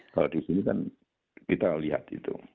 kalau di sini kan kita lihat itu